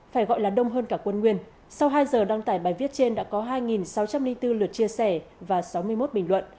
phải gọi là đông hơn cả quân nguyên sau hai giờ đăng tải bài viết trên đã có hai sáu trăm linh bốn lượt chia sẻ và sáu mươi một bình luận